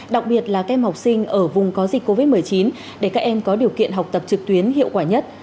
đặc biệt là các em học sinh ở vùng có dịch covid một mươi chín để các em có điều kiện học tập trực tuyến hiệu quả nhất